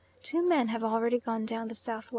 Two men have already gone down the S.W.